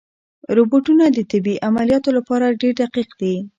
روبوټونه د طبي عملیاتو لپاره ډېر دقیق دي.